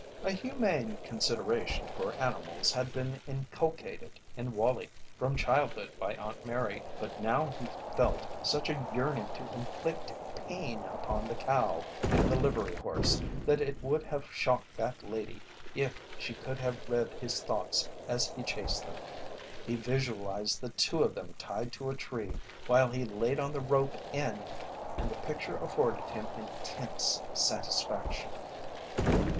A humane consideration for animals had been inculcated in Wallie from childhood by Aunt Mary, but now he felt such a yearning to inflict pain upon the cow and the livery horse that it would have shocked that lady if she could have read his thoughts as he chased them. He visualized the two of them tied to a tree while he laid on the rope end, and the picture afforded him intense satisfaction.